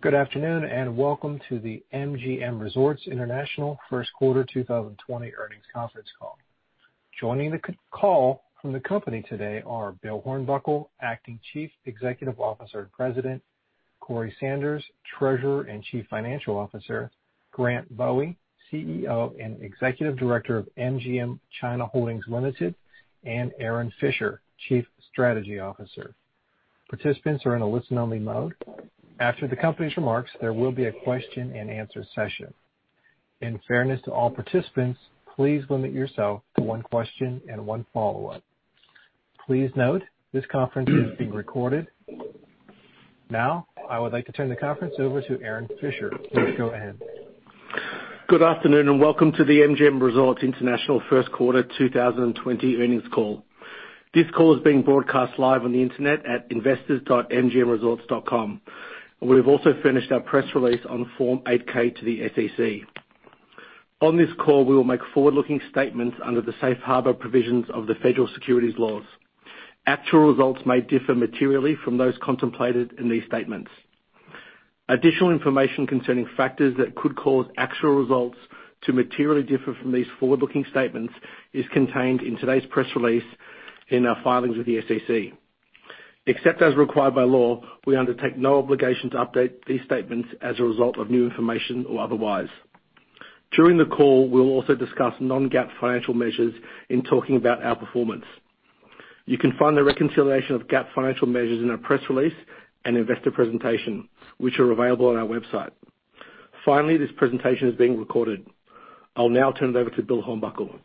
Good afternoon, welcome to the MGM Resorts International First Quarter 2020 earnings conference call. Joining the call from the company today are Bill Hornbuckle, Acting Chief Executive Officer and President, Corey Sanders, Treasurer and Chief Financial Officer, Grant Bowie, CEO and Executive Director of MGM China Holdings Limited, and Aaron Fischer, Chief Strategy Officer. Participants are in a listen-only mode. After the company's remarks, there will be a question-and-answer session. In fairness to all participants, please limit yourself to one question and one follow-up. Please note, this conference is being recorded. I would like to turn the conference over to Aaron Fischer. Please go ahead. Good afternoon. Welcome to the MGM Resorts International First Quarter 2020 earnings call. This call is being broadcast live on the internet at investors.mgmresorts.com. We have also furnished our press release on Form 8-K to the SEC. On this call, we will make forward-looking statements under the Safe Harbor provisions of the Federal Securities Laws. Actual results may differ materially from those contemplated in these statements. Additional information concerning factors that could cause actual results to materially differ from these forward-looking statements is contained in today's press release in our filings with the SEC. Except as required by law, we undertake no obligation to update these statements as a result of new information or otherwise. During the call, we will also discuss non-GAAP financial measures in talking about our performance. You can find the reconciliation of GAAP financial measures in our press release and investor presentation, which are available on our website. This presentation is being recorded. I'll now turn it over to Bill Hornbuckle.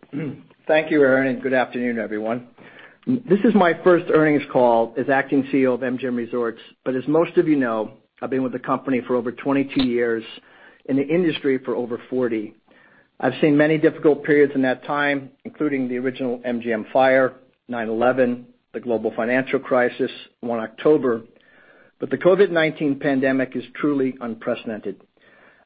Thank you, Aaron, good afternoon, everyone. This is my first earnings call as Acting CEO of MGM Resorts, but as most of you know, I've been with the company for over 22 years and the industry for over 40. I've seen many difficult periods in that time, including the original MGM fire, 9/11, the global financial crisis, 1 October, but the COVID-19 pandemic is truly unprecedented.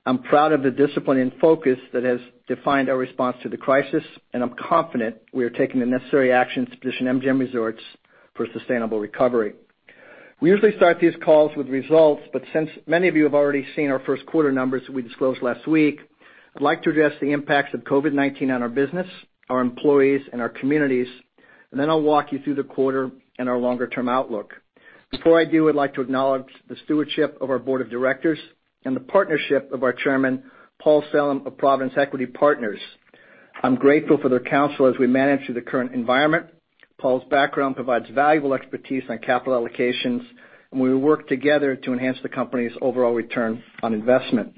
I'm proud of the discipline and focus that has defined our response to the crisis, and I'm confident we are taking the necessary actions to position MGM Resorts for sustainable recovery. We usually start these calls with results, but since many of you have already seen our first quarter numbers we disclosed last week, I'd like to address the impacts of COVID-19 on our business, our employees, and our communities, and then I'll walk you through the quarter and our longer-term outlook. Before I do, I'd like to acknowledge the stewardship of our board of directors and the partnership of our chairman, Paul Salem of Providence Equity Partners. I'm grateful for their counsel as we manage through the current environment. Paul's background provides valuable expertise on capital allocations, and we will work together to enhance the company's overall return on investment.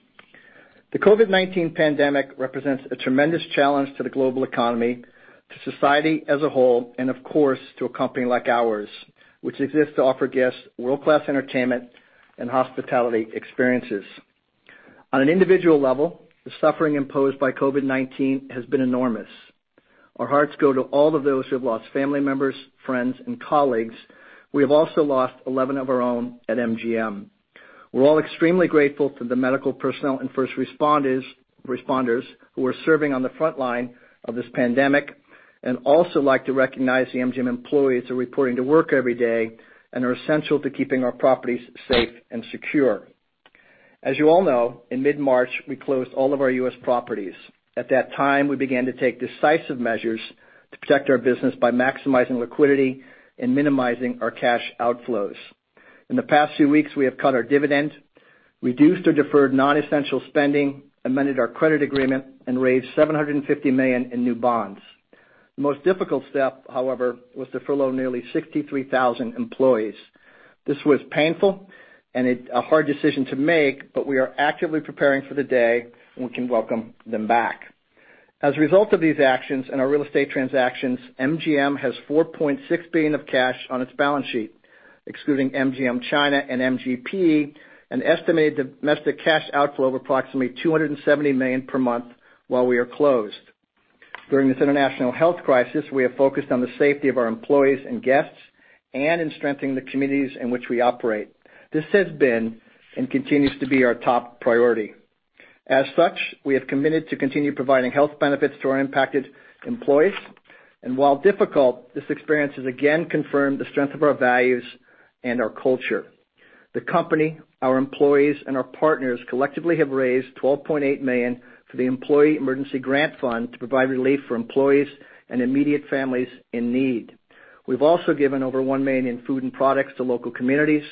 The COVID-19 pandemic represents a tremendous challenge to the global economy, to society as a whole, and of course, to a company like ours, which exists to offer guests world-class entertainment and hospitality experiences. On an individual level, the suffering imposed by COVID-19 has been enormous. Our hearts go to all of those who have lost family members, friends, and colleagues. We have also lost 11 of our own at MGM. We're all extremely grateful to the medical personnel and first responders who are serving on the front line of this pandemic and also like to recognize the MGM employees who are reporting to work every day and are essential to keeping our properties safe and secure. As you all know, in mid-March, we closed all of our U.S. properties. At that time, we began to take decisive measures to protect our business by maximizing liquidity and minimizing our cash outflows. In the past few weeks, we have cut our dividend, reduced or deferred non-essential spending, amended our credit agreement, and raised $750 million in new bonds. The most difficult step, however, was to furlough nearly 63,000 employees. This was painful and a hard decision to make, but we are actively preparing for the day when we can welcome them back. As a result of these actions and our real estate transactions, MGM has $4.6 billion of cash on its balance sheet, excluding MGM China and MGP, an estimated domestic cash outflow of approximately $270 million per month while we are closed. During this international health crisis, we have focused on the safety of our employees and guests and in strengthening the communities in which we operate. This has been and continues to be our top priority. While difficult, this experience has again confirmed the strength of our values and our culture. The company, our employees, and our partners collectively have raised $12.8 million for the employee emergency grant fund to provide relief for employees and immediate families in need. We've also given over $1 million in food and products to local communities,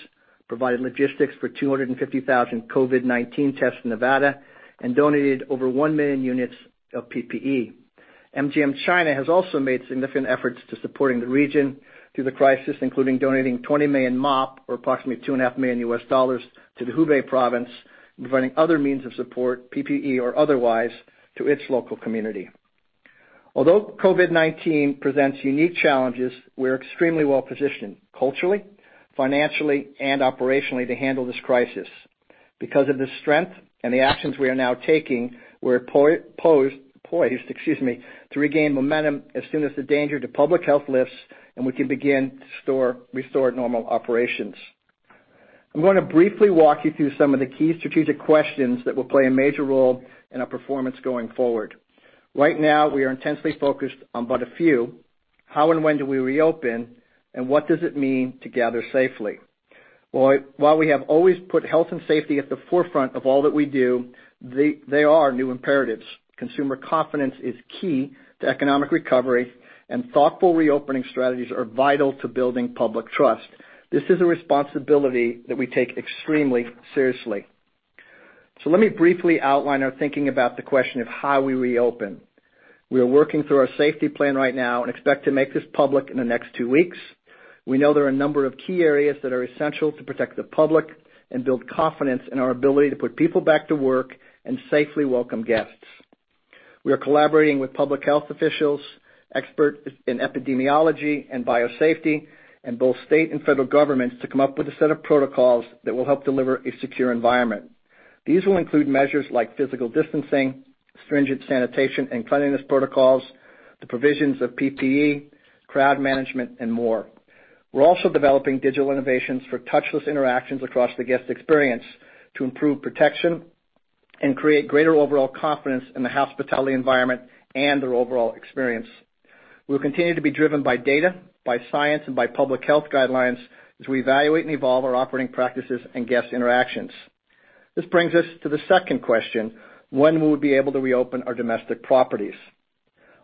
provided logistics for 250,000 COVID-19 tests in Nevada, and donated over 1 million units of PPE. MGM China has also made significant efforts to supporting the region through the crisis, including donating 20 million MOP, or approximately $2.5 million U.S. dollars to the Hubei province and providing other means of support, PPE or otherwise, to its local community. Although COVID-19 presents unique challenges, we're extremely well-positioned culturally, financially, and operationally to handle this crisis. Because of this strength and the actions we are now taking, we're poised to regain momentum as soon as the danger to public health lifts and we can begin to restore normal operations. I'm going to briefly walk you through some of the key strategic questions that will play a major role in our performance going forward. Right now, we are intensely focused on but a few. How and when do we reopen, and what does it mean to gather safely? While we have always put health and safety at the forefront of all that we do, they are new imperatives. Consumer confidence is key to economic recovery, and thoughtful reopening strategies are vital to building public trust. This is a responsibility that we take extremely seriously. Let me briefly outline our thinking about the question of how we reopen. We are working through our safety plan right now and expect to make this public in the next two weeks. We know there are a number of key areas that are essential to protect the public and build confidence in our ability to put people back to work and safely welcome guests. We are collaborating with public health officials, experts in epidemiology and biosafety, and both state and federal governments to come up with a set of protocols that will help deliver a secure environment. These will include measures like physical distancing, stringent sanitation and cleanliness protocols, the provisions of PPE, crowd management, and more. We're also developing digital innovations for touchless interactions across the guest experience to improve protection and create greater overall confidence in the hospitality environment and their overall experience. We'll continue to be driven by data, by science, and by public health guidelines as we evaluate and evolve our operating practices and guest interactions. This brings us to the second question, when we'll be able to reopen our domestic properties.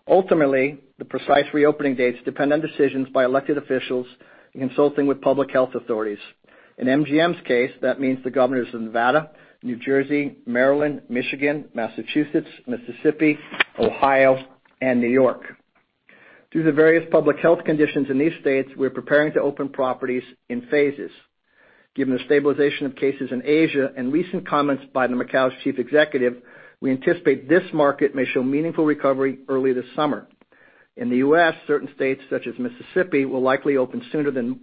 Ultimately, the precise reopening dates depend on decisions by elected officials consulting with public health authorities. In MGM's case, that means the governors of Nevada, New Jersey, Maryland, Michigan, Massachusetts, Mississippi, Ohio, and New York. Due to the various public health conditions in these states, we're preparing to open properties in phases. Given the stabilization of cases in Asia and recent comments by the Macao's chief executive, we anticipate this market may show meaningful recovery early this summer. In the U.S., certain states, such as Mississippi, will likely open sooner than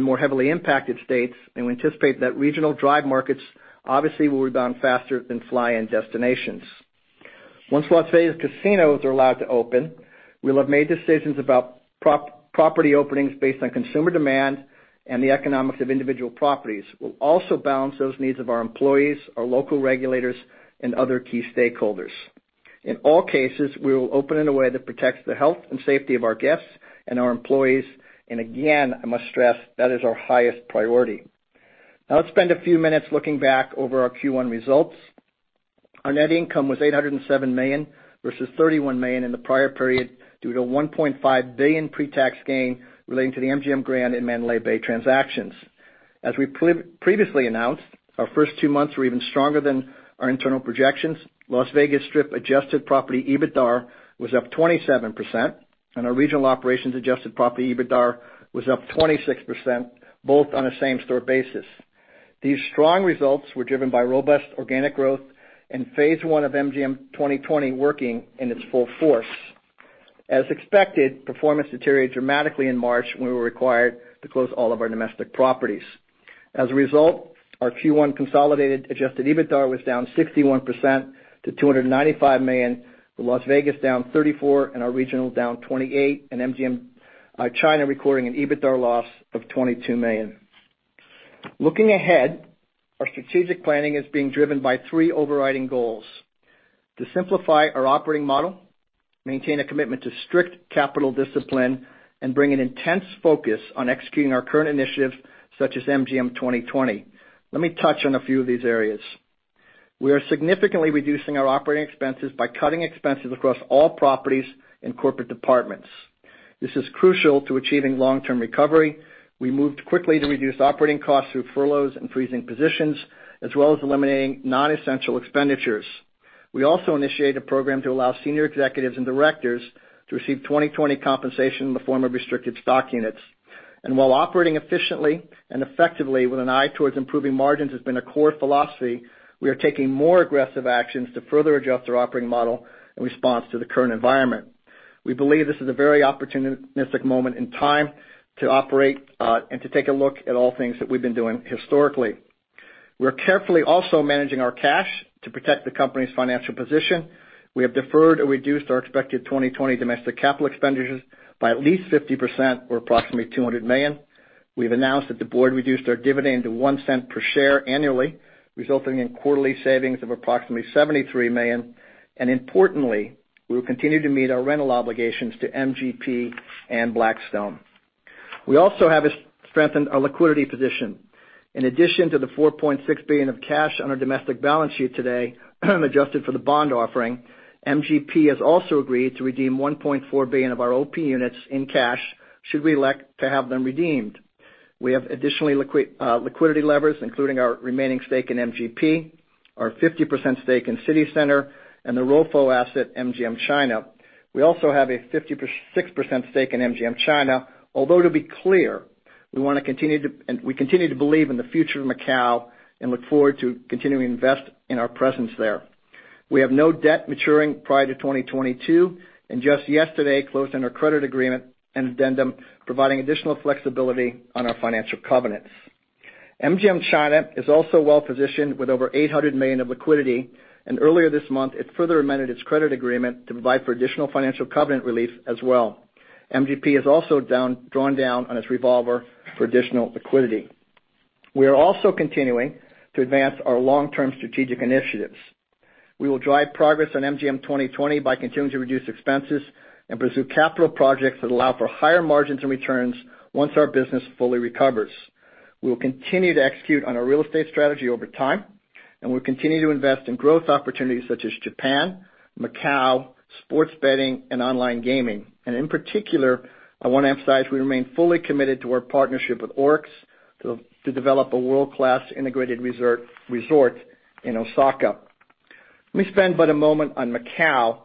more heavily impacted states, and we anticipate that regional drive markets obviously will rebound faster than fly-in destinations. Once Las Vegas casinos are allowed to open, we'll have made decisions about property openings based on consumer demand and the economics of individual properties. We'll also balance those needs of our employees, our local regulators, and other key stakeholders. In all cases, we will open in a way that protects the health and safety of our guests and our employees. Again, I must stress, that is our highest priority. Now let's spend a few minutes looking back over our Q1 results. Our net income was $807 million, versus $31 million in the prior period due to a $1.5 billion pre-tax gain relating to the MGM Grand and Mandalay Bay transactions. We previously announced, our first two months were even stronger than our internal projections. Las Vegas Strip adjusted property EBITDA was up 27%, and our regional operations adjusted property EBITDA was up 26%, both on a same-store basis. These strong results were driven by robust organic growth and phase one of MGM 2020 working in its full force. Expected, performance deteriorated dramatically in March when we were required to close all of our domestic properties. As a result, our Q1 consolidated adjusted EBITDA was down 61% to $295 million, with Las Vegas down 34% and our regional down 28%, and MGM China recording an EBITDA loss of $22 million. Looking ahead, our strategic planning is being driven by three overriding goals: to simplify our operating model, maintain a commitment to strict capital discipline, and bring an intense focus on executing our current initiatives such as MGM 2020. Let me touch on a few of these areas. We are significantly reducing our operating expenses by cutting expenses across all properties and corporate departments. This is crucial to achieving long-term recovery. We moved quickly to reduce operating costs through furloughs and freezing positions, as well as eliminating non-essential expenditures. We also initiated a program to allow senior executives and directors to receive 2020 compensation in the form of restricted stock units. While operating efficiently and effectively with an eye towards improving margins has been a core philosophy, we are taking more aggressive actions to further adjust our operating model in response to the current environment. We believe this is a very opportunistic moment in time to operate and to take a look at all things that we've been doing historically. We're carefully also managing our cash to protect the company's financial position. We have deferred or reduced our expected 2020 domestic capital expenditures by at least 50%, or approximately $200 million. We have announced that the board reduced our dividend to $0.01 per share annually, resulting in quarterly savings of approximately $73 million. Importantly, we will continue to meet our rental obligations to MGP and Blackstone. We also have strengthened our liquidity position. In addition to the $4.6 billion of cash on our domestic balance sheet today, adjusted for the bond offering, MGP has also agreed to redeem $1.4 billion of our OP units in cash, should we elect to have them redeemed. We have additionally liquidity levers, including our remaining stake in MGP, our 50% stake in CityCenter, and the ROFO asset, MGM China. We also have a 56% stake in MGM China. To be clear, we continue to believe in the future of Macao and look forward to continuing to invest in our presence there. We have no debt maturing prior to 2022, and just yesterday closed on our credit agreement, an addendum providing additional flexibility on our financial covenants. MGM China is also well-positioned with over $800 million of liquidity, and earlier this month, it further amended its credit agreement to provide for additional financial covenant relief as well. MGP has also drawn down on its revolver for additional liquidity. We are also continuing to advance our long-term strategic initiatives. We will drive progress on MGM 2020 by continuing to reduce expenses and pursue capital projects that allow for higher margins and returns once our business fully recovers. We will continue to execute on our real estate strategy over time, we'll continue to invest in growth opportunities such as Japan, Macau, sports betting, and online gaming. In particular, I want to emphasize, we remain fully committed to our partnership with Orix to develop a world-class integrated resort in Osaka. Let me spend but a moment on Macau.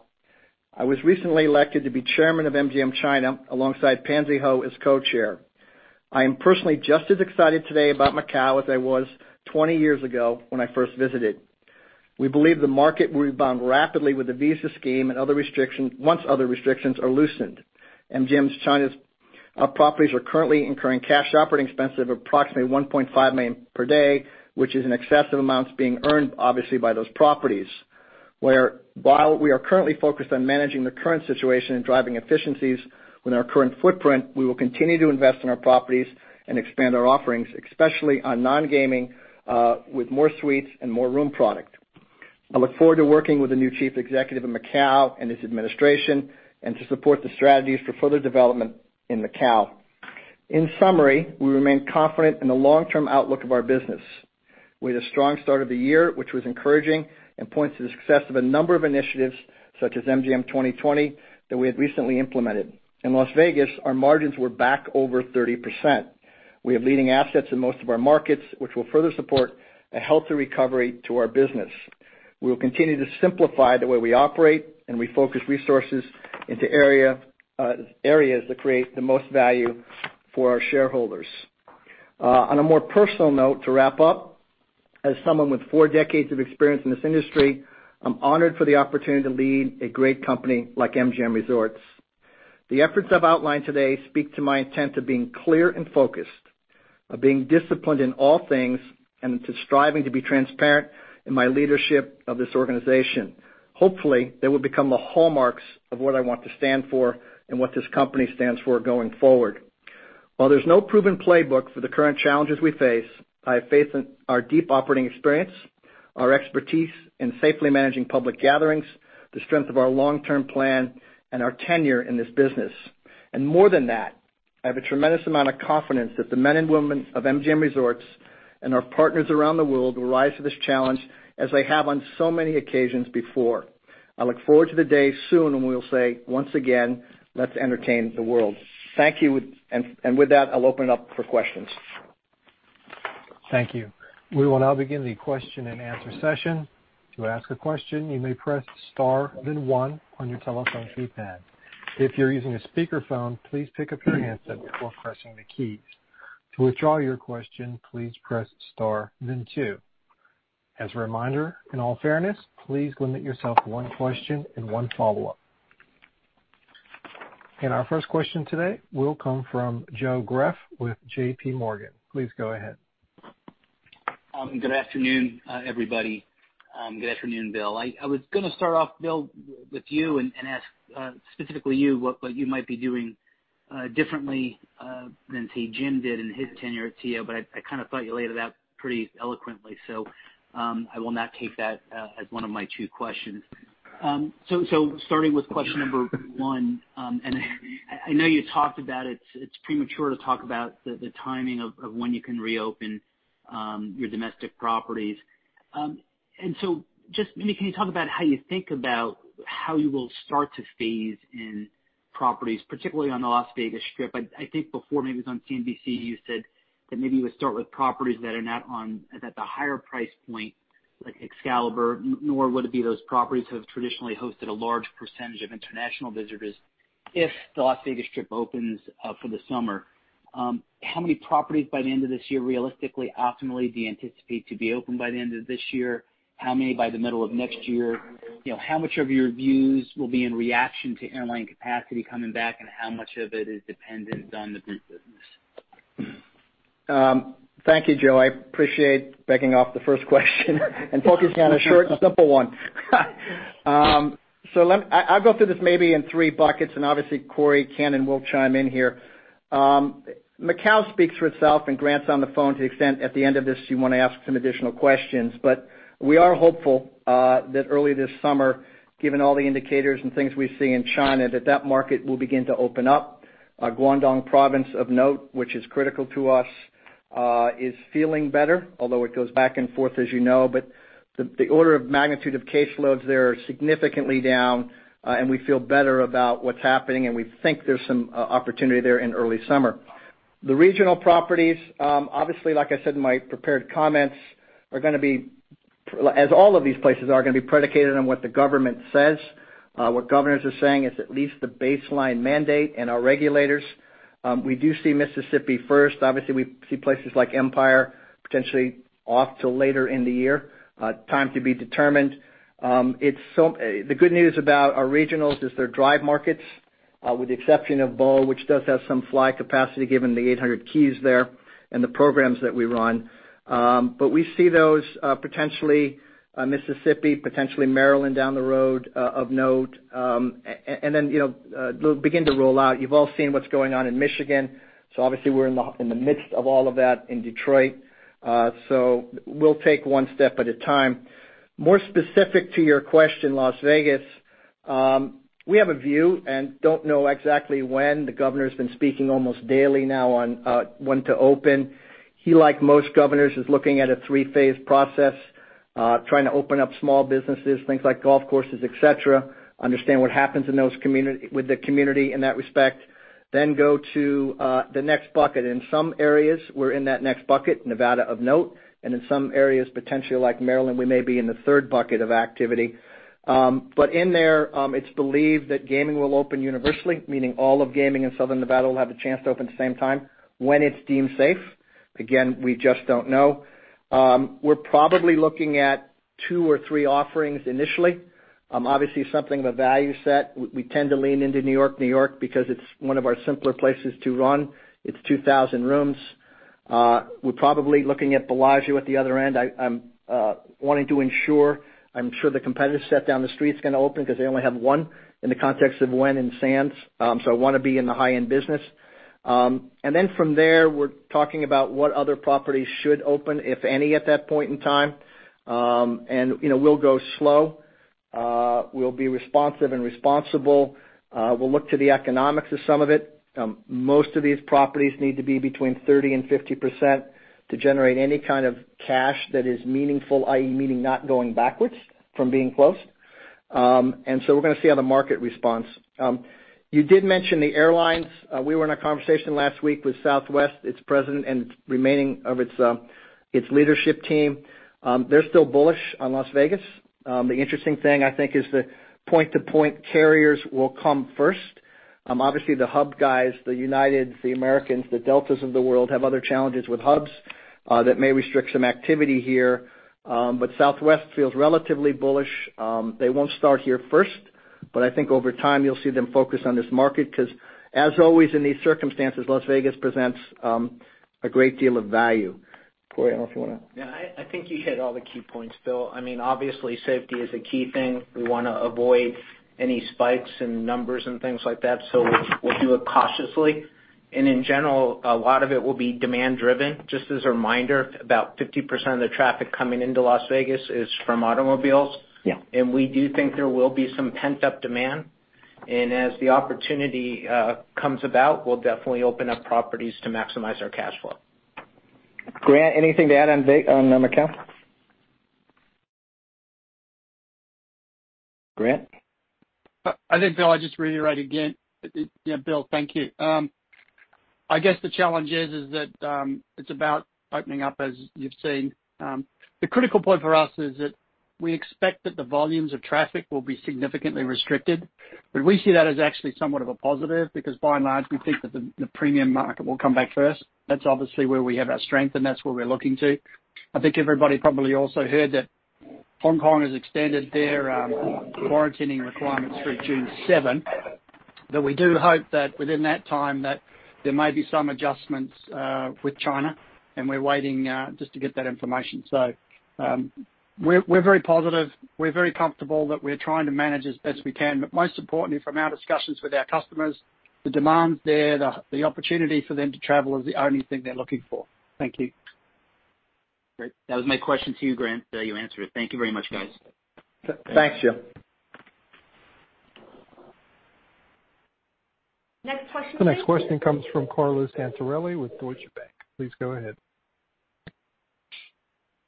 I was recently elected to be chairman of MGM China alongside Pansy Ho as co-chair. I am personally just as excited today about Macau as I was 20 years ago when I first visited. We believe the market will rebound rapidly with the visa scheme once other restrictions are loosened. MGM China's properties are currently incurring cash operating expenses of approximately $1.5 million per day, which is an excessive amount being earned, obviously, by those properties. While we are currently focused on managing the current situation and driving efficiencies with our current footprint, we will continue to invest in our properties and expand our offerings, especially on non-gaming, with more suites and more room product. I look forward to working with the new chief executive of Macau and his administration and to support the strategies for further development in Macau. In summary, we remain confident in the long-term outlook of our business. We had a strong start of the year, which was encouraging and points to the success of a number of initiatives, such as MGM 2020, that we had recently implemented. In Las Vegas, our margins were back over 30%. We have leading assets in most of our markets, which will further support a healthy recovery to our business. We will continue to simplify the way we operate and refocus resources into areas that create the most value for our shareholders. On a more personal note, to wrap up, as someone with four decades of experience in this industry, I am honored for the opportunity to lead a great company like MGM Resorts. The efforts I have outlined today speak to my intent of being clear and focused, of being disciplined in all things, and to striving to be transparent in my leadership of this organization. Hopefully, they will become the hallmarks of what I want to stand for and what this company stands for going forward. While there's no proven playbook for the current challenges we face, I have faith in our deep operating experience, our expertise in safely managing public gatherings, the strength of our long-term plan, and our tenure in this business. More than that, I have a tremendous amount of confidence that the men and women of MGM Resorts and our partners around the world will rise to this challenge as they have on so many occasions before. I look forward to the day soon when we will say, once again, "Let's entertain the world." Thank you. With that, I'll open it up for questions. Thank you. We will now begin the question-and-answer session. To ask a question, you may press star then one on your telephone keypad. If you're using a speakerphone, please pick up your handset before pressing the keys. To withdraw your question, please press star then two. As a reminder, in all fairness, please limit yourself to one question and one follow-up. Our first question today will come from Joseph Greff with JPMorgan. Please go ahead. Good afternoon, everybody. Good afternoon, Bill. I was going to start off, Bill, with you and ask specifically you what you might be doing differently than Taeha Kim did in his tenure at TO, but I thought you laid it out pretty eloquently. I will not take that as one of my two questions. Starting with question number one, and I know you talked about it's premature to talk about the timing of when you can reopen your domestic properties. Just maybe can you talk about how you think about how you will start to phase in properties, particularly on the Las Vegas Strip? I think before, maybe it was on CNBC, you said that maybe you would start with properties that are not on at the higher price point, like Excalibur, nor would it be those properties who have traditionally hosted a large percentage of international visitors if the Las Vegas Strip opens up for the summer. How many properties by the end of this year, realistically, optimally, do you anticipate to be open by the end of this year? How many by the middle of next year? How much of your views will be in reaction to airline capacity coming back, and how much of it is dependent on the group business? Thank you, Joe. I appreciate backing off the first question and focusing on a short and simple one. I'll go through this maybe in three buckets, and obviously Corey can and will chime in here. Macau speaks for itself, and Grant's on the phone to the extent at the end of this, you want to ask some additional questions. We are hopeful that early this summer, given all the indicators and things we see in China, that that market will begin to open up. Guangdong province of note, which is critical to us, is feeling better, although it goes back and forth, as you know. The order of magnitude of caseloads there are significantly down, and we feel better about what's happening, and we think there's some opportunity there in early summer. The regional properties, obviously, like I said in my prepared comments, as all of these places are going to be predicated on what the government says. What governors are saying is at least the baseline mandate and our regulators. We do see Mississippi first. Obviously, we see places like Empire City Casino potentially off till later in the year. Time to be determined. The good news about our regionals is they're drive markets. With the exception of Borgata, which does have some fly capacity, given the 800 keys there and the programs that we run. We see those potentially Mississippi, potentially Maryland down the road of note, and then they'll begin to roll out. You've all seen what's going on in Michigan, obviously we're in the midst of all of that in Detroit. We'll take one step at a time. More specific to your question, Las Vegas, we have a view and don't know exactly when. The governor's been speaking almost daily now on when to open. He, like most governors, is looking at a three phase process, trying to open up small businesses, things like golf courses, et cetera. Understand what happens with the community in that respect, then go to the next bucket. In some areas, we're in that next bucket, Nevada, of note, and in some areas, potentially like Maryland, we may be in the third bucket of activity. In there, it's believed that gaming will open universally, meaning all of gaming in Southern Nevada will have a chance to open at the same time when it's deemed safe. Again, we just don't know. We're probably looking at two or three offerings initially. Obviously, something of a value set. We tend to lean into New York-New York because it's one of our simpler places to run. It's 2,000 rooms. We're probably looking at Bellagio at the other end. I'm wanting to ensure, I'm sure the competitor set down the street is going to open because they only have one in the context of Wynn and Sands. I want to be in the high-end business. From there, we're talking about what other properties should open, if any, at that point in time. We'll go slow. We'll be responsive and responsible. We'll look to the economics of some of it. Most of these properties need to be between 30% and 50% to generate any kind of cash that is meaningful, i.e., meaning not going backwards from being closed. We're going to see how the market responds. You did mention the airlines. We were in a conversation last week with Southwest, its president and remaining of its leadership team. They're still bullish on Las Vegas. The interesting thing, I think, is the point-to-point carriers will come first. Obviously, the hub guys, the Uniteds, the Americans, the Deltas of the world have other challenges with hubs that may restrict some activity here, but Southwest feels relatively bullish. They won't start here first, but I think over time you'll see them focus on this market because, as always in these circumstances, Las Vegas presents a great deal of value. Corey, I don't know if you want to. Yeah, I think you hit all the key points, Bill. Obviously, safety is a key thing. We want to avoid any spikes in numbers and things like that, so we'll do it cautiously. In general, a lot of it will be demand-driven. Just as a reminder, about 50% of the traffic coming into Las Vegas is from automobiles. Yeah. We do think there will be some pent-up demand. As the opportunity comes about, we'll definitely open up properties to maximize our cash flow. Grant, anything to add on Macau? Grant? I think, Bill, I'd just reiterate again. Bill, thank you. I guess the challenge is that it's about opening up, as you've seen. The critical point for us is that we expect that the volumes of traffic will be significantly restricted, but we see that as actually somewhat of a positive because by and large, we think that the premium market will come back first. That's obviously where we have our strength, and that's where we're looking to. I think everybody probably also heard that Hong Kong has extended their quarantining requirements through June 7th, but we do hope that within that time that there may be some adjustments with China and we're waiting just to get that information. We're very positive. We're very comfortable that we're trying to manage as best we can. Most importantly, from our discussions with our customers, the demand's there. The opportunity for them to travel is the only thing they're looking for. Thank you. Great. That was my question to you, Grant. You answered it. Thank you very much, guys. Thanks, Jim. Next question, please. The next question comes from Carlo Santarelli with Deutsche Bank. Please go ahead.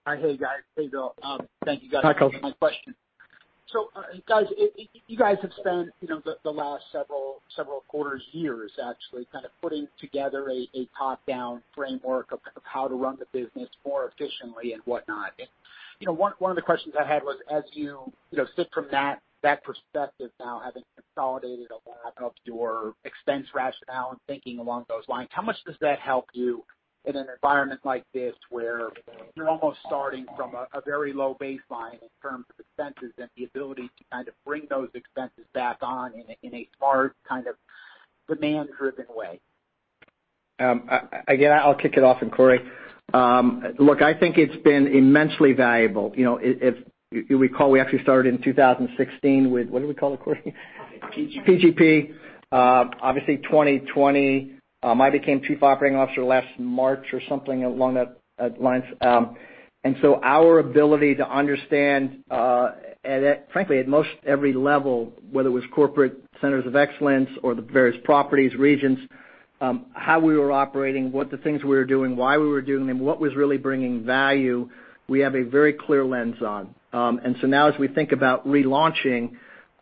Hey, guys. Hey, Bill. Thank you guys for taking my question. Hi, Carlo. You guys have spent the last several quarters, years actually, kind of putting together a top-down framework of how to run the business more efficiently and whatnot. One of the questions I had was as you sit from that perspective now, having consolidated a lot of your expense rationale and thinking along those lines, how much does that help you in an environment like this where you're almost starting from a very low baseline in terms of expenses and the ability to kind of bring those expenses back on in a smart, kind of demand-driven way? Again, I'll kick it off to Corey. Look, I think it's been immensely valuable. If you recall, we actually started in 2016. What did we call it, Corey? PGP. PGP. 2020, I became Chief Operating Officer last March or something along that lines. Our ability to understand, frankly, at most every level, whether it was corporate Centers of Excellence or the various properties, regions, how we were operating, what the things we were doing, why we were doing them, what was really bringing value, we have a very clear lens on. Now as we think about relaunching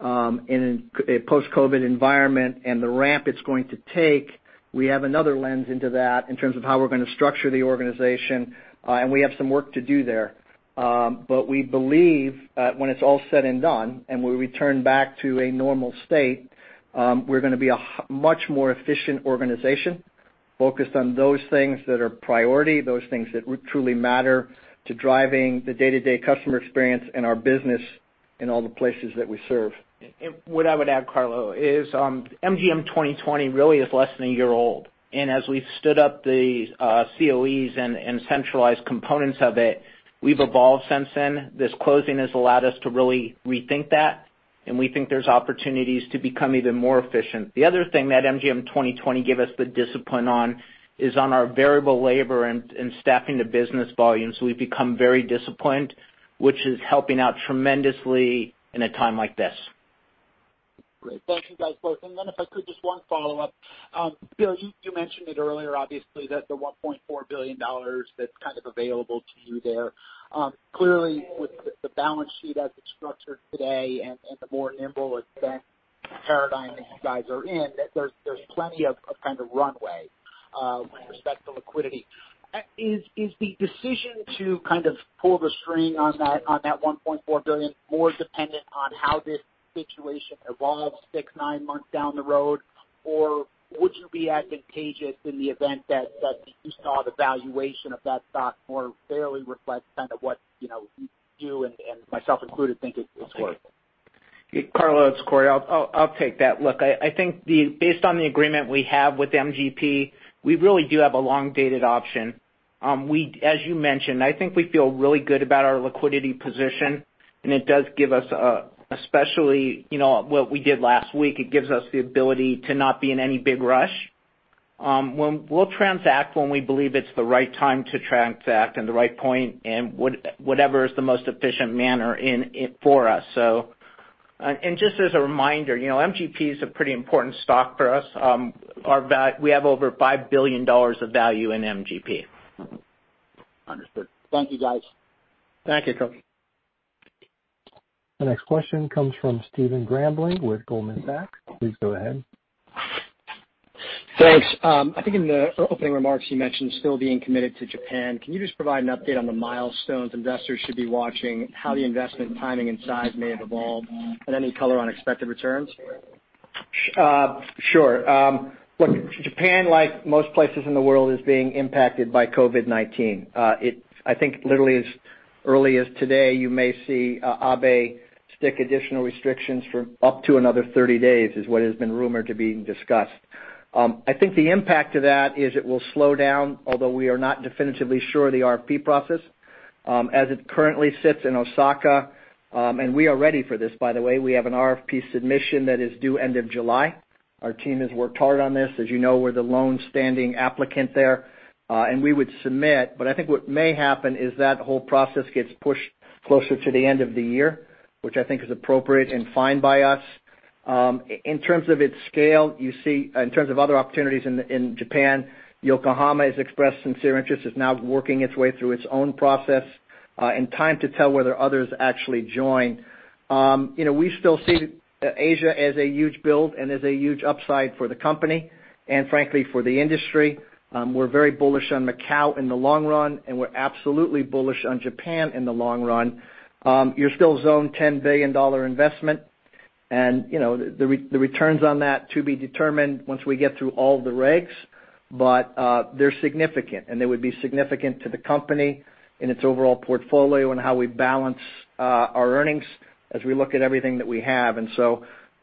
in a post-COVID environment and the ramp it's going to take, we have another lens into that in terms of how we're going to structure the organization, and we have some work to do there. We believe when it's all said and done and we return back to a normal state, we're going to be a much more efficient organization. Focused on those things that are priority, those things that truly matter to driving the day-to-day customer experience and our business in all the places that we serve. What I would add, Carlo, is MGM 2020 really is less than a year old. As we've stood up the COEs and centralized components of it, we've evolved since then. This closing has allowed us to really rethink that, and we think there's opportunities to become even more efficient. The other thing that MGM 2020 gave us the discipline on is on our variable labor and staffing to business volumes. We've become very disciplined, which is helping out tremendously in a time like this. Great. Thank you, guys, both. If I could, just one follow-up. Bill, you mentioned it earlier, obviously, that the $1.4 billion that's kind of available to you there. Clearly, with the balance sheet as it's structured today and the more nimble event paradigm that you guys are in, that there's plenty of kind of runway with respect to liquidity. Is the decision to kind of pull the string on that $1.4 billion more dependent on how this situation evolves six, nine months down the road? Would you be advantageous in the event that you saw the valuation of that stock more fairly reflect kind of what you and myself included think it's worth? Carlo, it's Corey. I'll take that. Look, I think based on the agreement we have with MGP, we really do have a long-dated option. As you mentioned, I think we feel really good about our liquidity position, and it does give us, especially, what we did last week, it gives us the ability to not be in any big rush. We'll transact when we believe it's the right time to transact and the right point and whatever is the most efficient manner for us. And just as a reminder, MGP is a pretty important stock for us. We have over $5 billion of value in MGP. Understood. Thank you, guys. Thank you, Carlo. The next question comes from Stephen Grambling with Goldman Sachs. Please go ahead. Thanks. I think in the opening remarks, you mentioned still being committed to Japan. Can you just provide an update on the milestones investors should be watching, how the investment timing and size may have evolved, and any color on expected returns? Sure. Look, Japan, like most places in the world, is being impacted by COVID-19. I think literally as early as today, you may see Abe stick additional restrictions for up to another 30 days, is what has been rumored to be discussed. I think the impact of that is it will slow down, although we are not definitively sure the RFP process. As it currently sits in Osaka, we are ready for this, by the way, we have an RFP submission that is due end of July. Our team has worked hard on this. As you know, we're the lone standing applicant there. We would submit, but I think what may happen is that whole process gets pushed closer to the end of the year, which I think is appropriate and fine by us. In terms of its scale, in terms of other opportunities in Japan, Yokohama has expressed sincere interest, is now working its way through its own process, and time to tell whether others actually join. We still see Asia as a huge build and as a huge upside for the company, and frankly, for the industry. We're very bullish on Macau in the long run, and we're absolutely bullish on Japan in the long run. You're still zoned $10 billion investment, and the returns on that to be determined once we get through all the regs, but they're significant, and they would be significant to the company and its overall portfolio and how we balance our earnings as we look at everything that we have.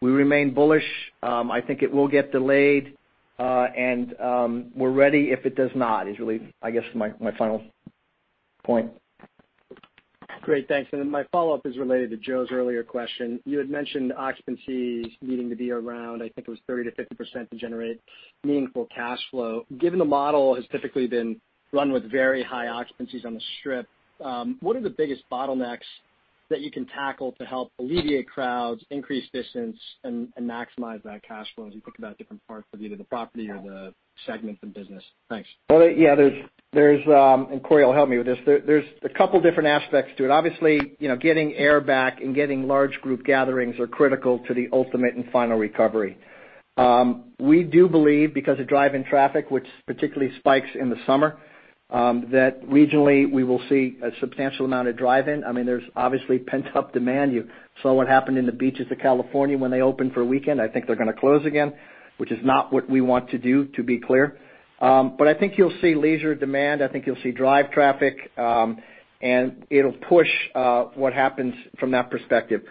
We remain bullish. I think it will get delayed, and we're ready if it does not, is really, I guess, my final point. Great. Thanks. My follow-up is related to Joe's earlier question. You had mentioned occupancies needing to be around, I think it was 30%-50% to generate meaningful cash flow. Given the model has typically been run with very high occupancies on the Strip, what are the biggest bottlenecks that you can tackle to help alleviate crowds, increase distance, and maximize that cash flow as you think about different parts of either the property or the segments in business? Thanks. Well, yeah. Corey will help me with this. There's a couple different aspects to it. Obviously, getting air back and getting large group gatherings are critical to the ultimate and final recovery. We do believe because of drive-in traffic, which particularly spikes in the summer, that regionally we will see a substantial amount of drive-in. I mean, there's obviously pent-up demand. You saw what happened in the beaches of California when they opened for a weekend. I think they're going to close again, which is not what we want to do, to be clear. I think you'll see leisure demand, I think you'll see drive traffic, and it'll push what happens from that perspective.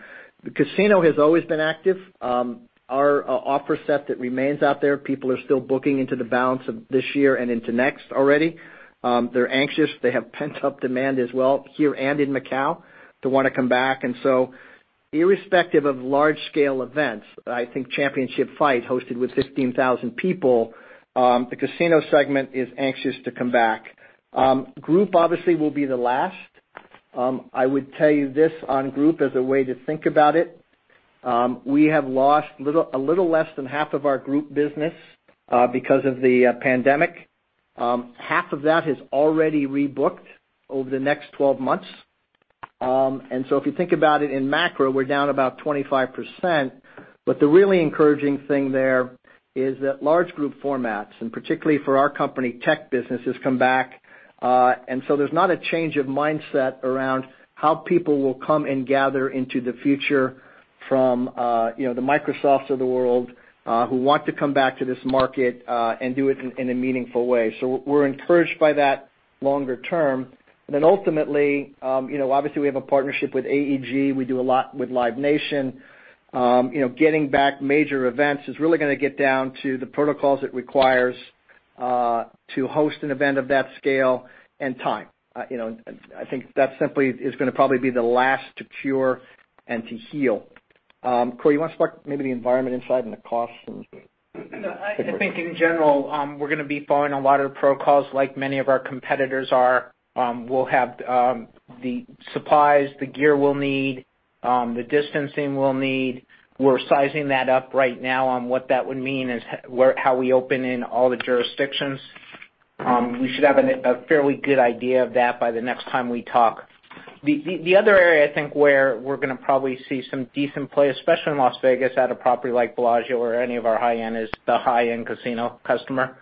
The casino has always been active. Our offer set that remains out there, people are still booking into the balance of this year and into next already. They're anxious. They have pent-up demand as well here and in Macau to want to come back. Irrespective of large scale events, I think championship fight hosted with 15,000 people, the casino segment is anxious to come back. Group obviously will be the last. I would tell you this on group as a way to think about it. We have lost a little less than half of our group business because of the pandemic. Half of that has already rebooked over the next 12 months. If you think about it in macro, we're down about 25%, but the really encouraging thing there is that large group formats, and particularly for our company tech businesses come back. There's not a change of mindset around how people will come and gather into the future from the Microsofts of the world who want to come back to this market and do it in a meaningful way. We're encouraged by that longer-term. Ultimately, obviously we have a partnership with AEG. We do a lot with Live Nation. Getting back major events is really going to get down to the protocols it requires to host an event of that scale and time. I think that simply is going to probably be the last to cure and to heal. Corey, you want to talk maybe the environment inside and the costs and? I think in general we're going to be following a lot of protocols like many of our competitors are. We'll have the supplies, the gear we'll need, the distancing we'll need. We're sizing that up right now on what that would mean as how we open in all the jurisdictions. We should have a fairly good idea of that by the next time we talk. The other area I think where we're going to probably see some decent play, especially in Las Vegas at a property like Bellagio or any of our high-end, is the high-end casino customer.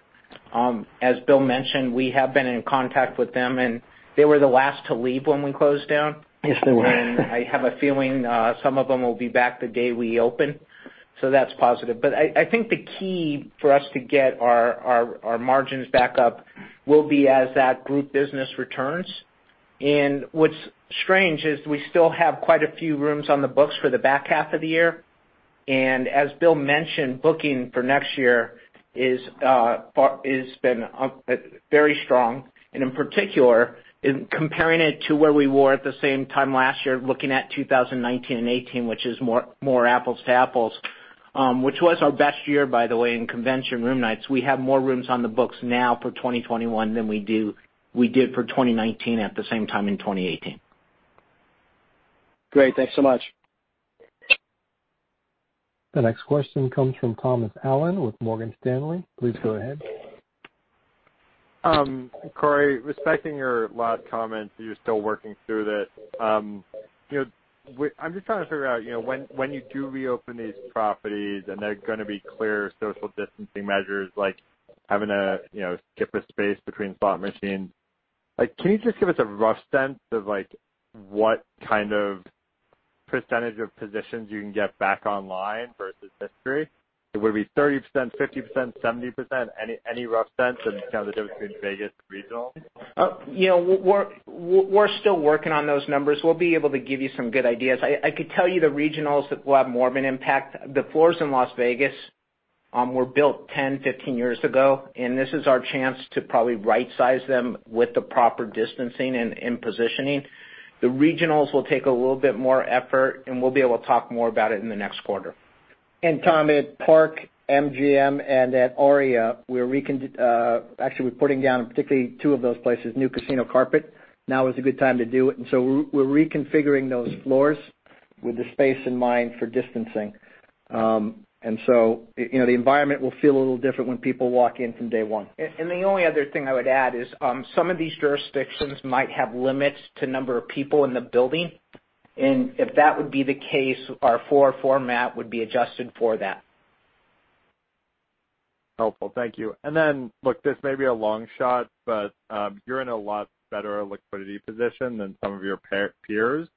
As Bill mentioned, we have been in contact with them, and they were the last to leave when we closed down. Yes, they were. I have a feeling some of them will be back the day we open. That's positive. I think the key for us to get our margins back up will be as that group business returns. What's strange is we still have quite a few rooms on the books for the back half of the year. As Bill mentioned, booking for next year has been very strong, and in particular, comparing it to where we were at the same time last year, looking at 2019 and 2018, which is more apples to apples, which was our best year, by the way, in convention room nights. We have more rooms on the books now for 2021 than we did for 2019 at the same time in 2018. Great, thanks so much. The next question comes from Thomas Allen with Morgan Stanley. Please go ahead. Corey, respecting your last comments, you're still working through this. I'm just trying to figure out, when you do reopen these properties and there are going to be clear social distancing measures like having a skip a space between slot machines, can you just give us a rough sense of what kind of percentage of positions you can get back online versus history? Would it be 30%, 50%, 70%? Any rough sense of the difference between Vegas and regional? We're still working on those numbers. We'll be able to give you some good ideas. I could tell you the regionals will have more of an impact. The floors in Las Vegas were built 10, 15 years ago, and this is our chance to probably right-size them with the proper distancing and positioning. The regionals will take a little bit more effort, and we'll be able to talk more about it in the next quarter. Tom, at Park MGM and at Aria, we're actually putting down, particularly two of those places, new casino carpet. Now is a good time to do it. We're reconfiguring those floors with the space in mind for distancing. The environment will feel a little different when people walk in from day one. The only other thing I would add is some of these jurisdictions might have limits to number of people in the building. If that would be the case, our floor format would be adjusted for that. Helpful. Thank you. Look, this may be a long shot, but you're in a lot better liquidity position than some of your peers.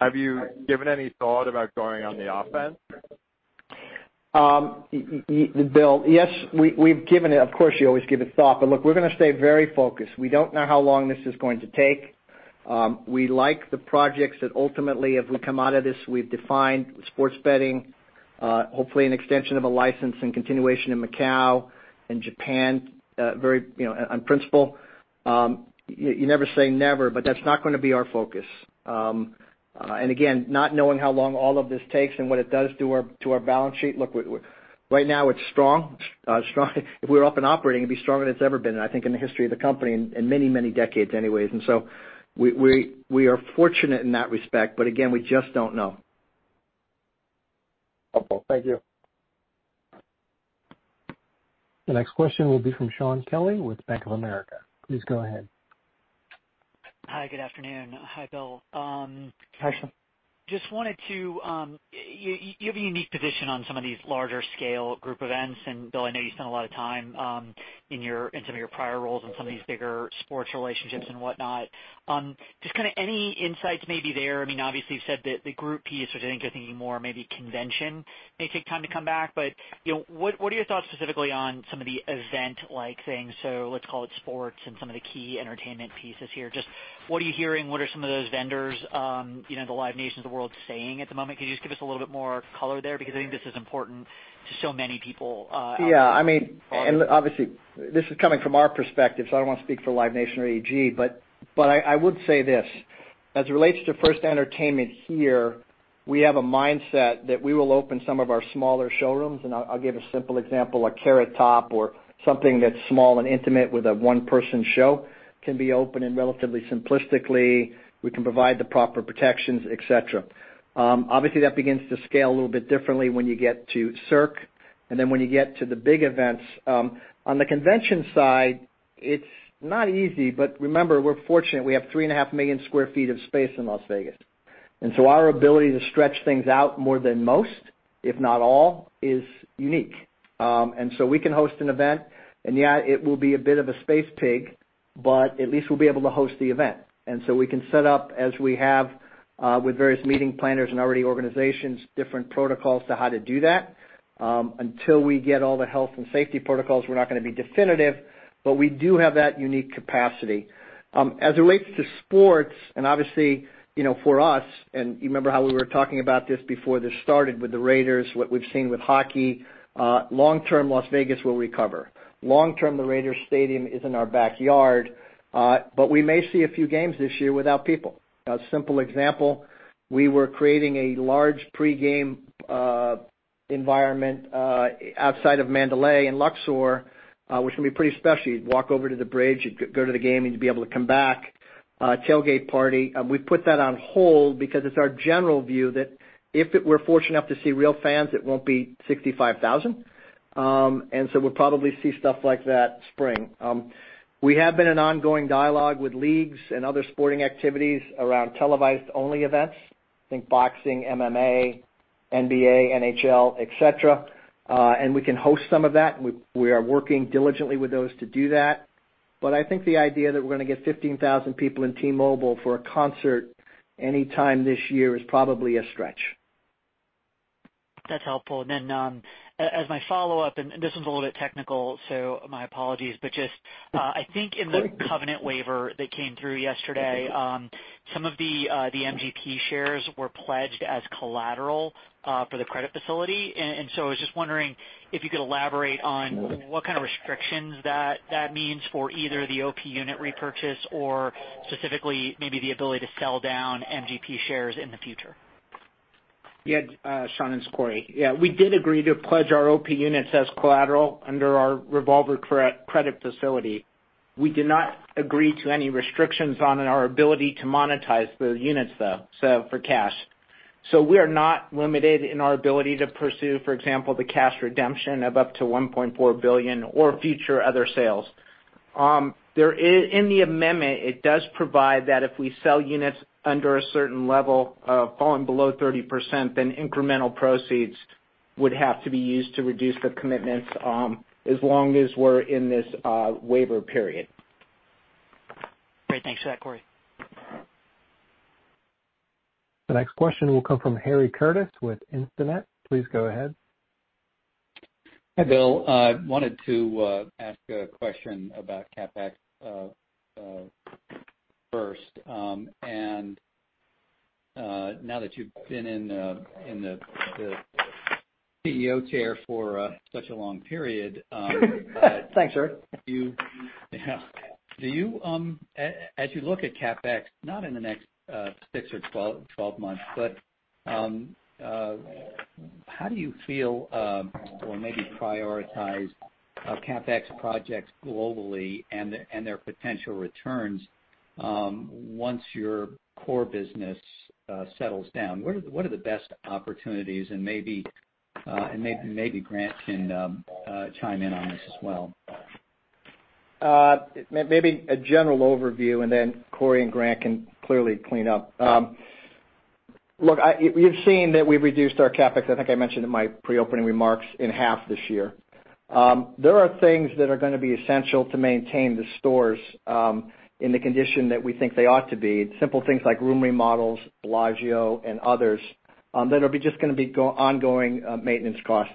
Have you given any thought about going on the offense? Bill, yes, of course, you always give it thought, look, we're going to stay very focused. We don't know how long this is going to take. We like the projects that ultimately, if we come out of this, we've defined sports betting, hopefully an extension of a license and continuation in Macau and Japan on principle. You never say never, that's not going to be our focus. Again, not knowing how long all of this takes and what it does to our balance sheet. Look, right now it's strong. If we're up and operating, it'd be stronger than it's ever been, I think, in the history of the company, in many decades anyways. We are fortunate in that respect. Again, we just don't know. Helpful. Thank you. The next question will be from Shaun Kelley with Bank of America. Please go ahead. Hi, good afternoon. Hi, Bill. Hi, Shaun. You have a unique position on some of these larger-scale group events. Bill, I know you spent a lot of time in some of your prior roles in some of these bigger sports relationships and whatnot. Just kind of any insights maybe there. Obviously, you've said that the group piece, which I think you're thinking more maybe convention may take time to come back, but what are your thoughts specifically on some of the event-like things? Let's call it sports and some of the key entertainment pieces here. What are you hearing? What are some of those vendors, the Live Nation of the world saying at the moment? Can you just give us a little bit more color there? I think this is important to so many people. Yeah. Obviously, this is coming from our perspective, so I don't want to speak for Live Nation or AEG, but I would say this: as it relates to first entertainment here, we have a mindset that we will open some of our smaller showrooms, and I'll give a simple example, like Carrot Top or something that's small and intimate with a one-person show can be open and relatively simplistically, we can provide the proper protections, et cetera. Obviously, that begins to scale a little bit differently when you get to Cirque and then when you get to the big events. On the convention side, it's not easy, but remember, we're fortunate. We have 3.5 million sq ft of space in Las Vegas. Our ability to stretch things out more than most, if not all, is unique. We can host an event, and yeah, it will be a bit of a space pig, but at least we'll be able to host the event. We can set up, as we have with various meeting planners and already organizations, different protocols to how to do that. Until we get all the health and safety protocols, we're not going to be definitive, but we do have that unique capacity. As it relates to sports, and obviously, for us, and you remember how we were talking about this before this started with the Raiders, what we've seen with hockey, long-term, Las Vegas will recover. Long-term, the Raiders' stadium is in our backyard. We may see a few games this year without people. A simple example, we were creating a large pre-game environment outside of Mandalay Bay and Luxor, which can be pretty special. You'd walk over to the bridge, you'd go to the game, and you'd be able to come back, tailgate party. We put that on hold because it's our general view that if we're fortunate enough to see real fans, it won't be 65,000. We'll probably see stuff like that spring. We have been in ongoing dialogue with leagues and other sporting activities around televised-only events. Think boxing, MMA, NBA, NHL, et cetera. We can host some of that, and we are working diligently with those to do that. I think the idea that we're going to get 15,000 people in T-Mobile Arena for a concert anytime this year is probably a stretch. That's helpful. As my follow-up, this one's a little bit technical, my apologies, I think in the covenant waiver that came through yesterday, some of the MGP shares were pledged as collateral for the credit facility. I was just wondering if you could elaborate on what kind of restrictions that means for either the OP unit repurchase or specifically maybe the ability to sell down MGP shares in the future. Yeah. Shaun, it's Corey. We did agree to pledge our OP units as collateral under our revolver credit facility. We did not agree to any restrictions on our ability to monetize the units, though, for cash. We are not limited in our ability to pursue, for example, the cash redemption of up to $1.4 billion or future other sales. In the amendment, it does provide that if we sell units under a certain level of falling below 30%, then incremental proceeds would have to be used to reduce the commitments as long as we're in this waiver period. Great. Thanks for that, Corey. The next question will come from Harry Curtis with Instinet. Please go ahead. Hi, Bill. I wanted to ask a question about CapEx first, now that you've been in the CEO chair for such a long period. Thanks, Harry. Yeah. As you look at CapEx, not in the next six or 12 months, but how do you feel, or maybe prioritize CapEx projects globally and their potential returns once your core business settles down? What are the best opportunities? Maybe Grant can chime in on this as well. Maybe a general overview, and then Corey and Grant can clearly clean up. Look, you've seen that we've reduced our CapEx, I think I mentioned in my pre-opening remarks, in half this year. There are things that are going to be essential to maintain the stores in the condition that we think they ought to be. Simple things like room remodels, Bellagio and others, that are just going to be ongoing maintenance costs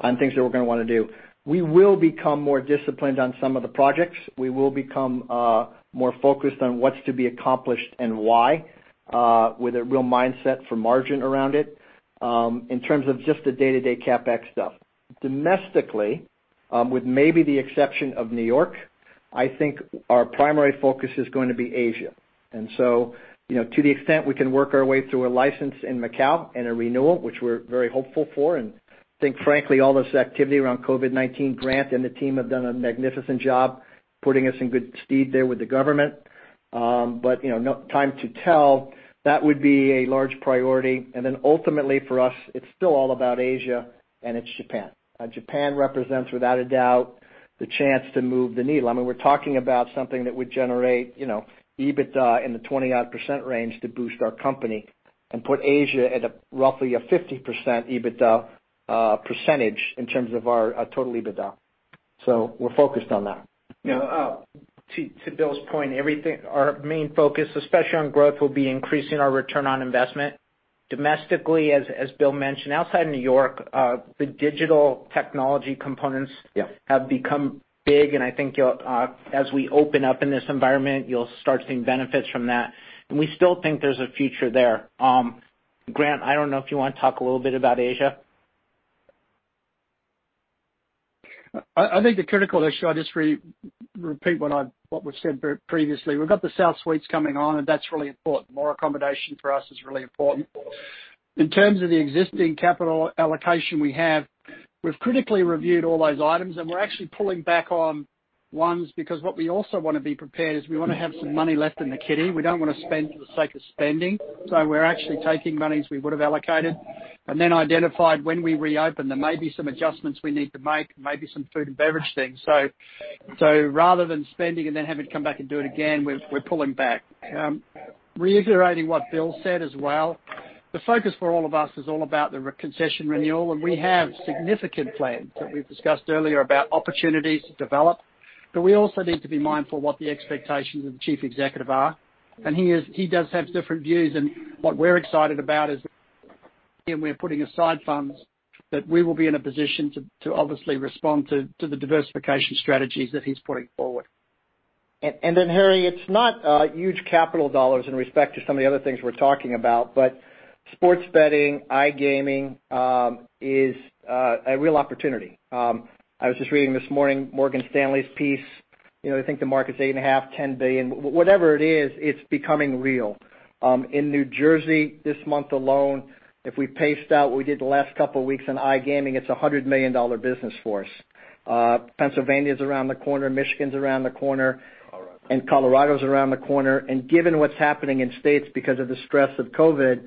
on things that we're going to want to do. We will become more disciplined on some of the projects. We will become more focused on what's to be accomplished and why, with a real mindset for margin around it in terms of just the day-to-day CapEx stuff. Domestically, with maybe the exception of New York, I think our primary focus is going to be Asia. To the extent we can work our way through a license in Macau and a renewal, which we're very hopeful for, and I think, frankly, all this activity around COVID-19, Grant and the team have done a magnificent job putting us in good stead there with the government. Time to tell, that would be a large priority. Ultimately for us, it's still all about Asia, and it's Japan. Japan represents, without a doubt, the chance to move the needle. I mean, we're talking about something that would generate EBITDA in the 20-odd% range to boost our company and put Asia at roughly a 50% EBITDA percentage in terms of our total EBITDA. We're focused on that. To Bill's point, our main focus, especially on growth, will be increasing our return on investment. Domestically, as Bill mentioned, outside New York, the digital technology components. Yeah have become big, and I think as we open up in this environment, you'll start seeing benefits from that. We still think there's a future there. Grant, I don't know if you want to talk a little bit about Asia. I think the critical issue, I'll just repeat what we've said previously. We've got the South Suites coming on. That's really important. More accommodation for us is really important. In terms of the existing capital allocation we have, we've critically reviewed all those items. We're actually pulling back on ones because what we also want to be prepared is we want to have some money left in the kitty. We don't want to spend for the sake of spending. We're actually taking monies we would have allocated and then identified when we reopen, there may be some adjustments we need to make, maybe some food and beverage things. Rather than spending and then having to come back and do it again, we're pulling back. Reiterating what Bill said as well, the focus for all of us is all about the concession renewal, and we have significant plans that we've discussed earlier about opportunities to develop. We also need to be mindful of what the expectations of the chief executive are. He does have different views. What we're excited about is, again, we're putting aside funds that we will be in a position to obviously respond to the diversification strategies that he's putting forward. Harry, it's not huge capital dollars in respect to some of the other things we're talking about, sports betting, iGaming, is a real opportunity. I was just reading this morning Morgan Stanley's piece. I think the market's $8.5 billion, $10 billion. Whatever it is, it's becoming real. In New Jersey this month alone, if we paced out what we did the last couple of weeks in iGaming, it's a $100 million business for us. Pennsylvania's around the corner, Michigan's around the corner. Colorado Colorado's around the corner. Given what's happening in states because of the stress of COVID,